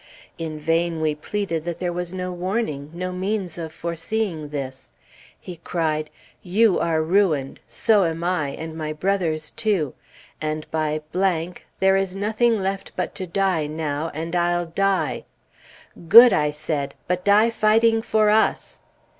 In vain we pleaded that there was no warning, no means of foreseeing this; he cried, "You are ruined; so am I; and my brothers, too! And by there is nothing left but to die now, and I'll die!" "Good!" I said. "But die fighting for us!"